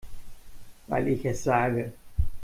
Weil ich es sage.